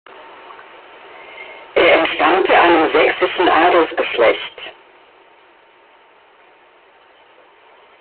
Er entstammte einem sächsischen Adelsgeschlecht.